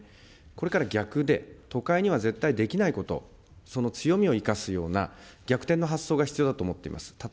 これから逆で、都会には絶対できないこと、その強みを生かすような、逆転の発想が必要だと思っています。